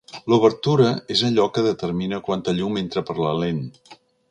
L'obertura és allò que determina quanta llum entra per la lent.